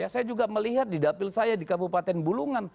saya juga melihat di dapil saya di kabupaten bulungan